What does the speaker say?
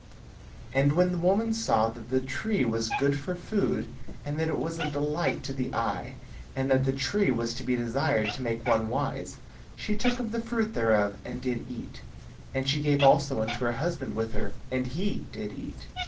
And when the woman saw that the tree was good for food and that it was a delight to the eye, and that the tree was to be desired to make one wise, she took of the fruit thereof, and did eat; and she gave also unto her husband with her and he did eat.